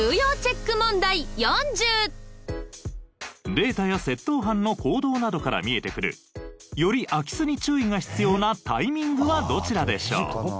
データや窃盗犯の行動などから見えてくるより空き巣に注意が必要なタイミングはどちらでしょう？